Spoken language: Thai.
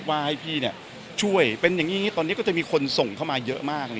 ว่าให้พี่ช่วยเป็นอย่างนี้ตอนนี้ก็จะมีคนส่งเข้ามาเยอะมาก